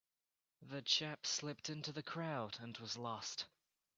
The chap slipped into the crowd and was lost.